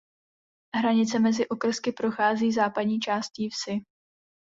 Hranice mezi okrsky prochází západní částí vsi.